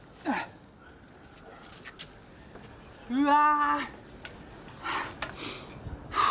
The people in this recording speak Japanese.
うわ！